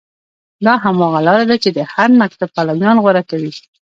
دا هماغه لاره ده چې د هر مکتب پلویان غوره کوي.